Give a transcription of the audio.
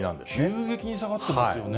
急激に下がってますよね。